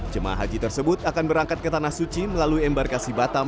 jemaah haji tersebut akan berangkat ke tanah suci melalui embarkasi batam